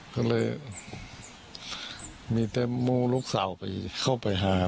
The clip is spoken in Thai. ก็เลยมีเต็มมือลูกสาวไปเข้าไปหา